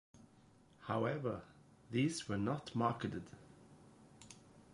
However, these were not marketed.